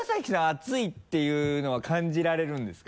熱いっていうのは感じられるんですか？